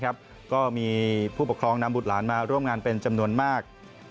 ก็มีผู้ปกครองนำบุตรหลานมาร่วมงานเป็นจำนวนมาก